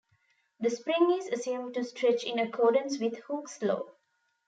The spring is assumed to stretch in accordance with Hooke's Law.